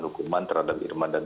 hukuman terhadap irma dan